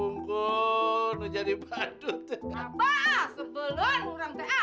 mbak sebelum orang t a tawanya dimarahin itu si asma